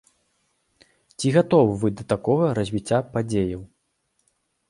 Ці гатовы вы да такога развіцця падзеяў?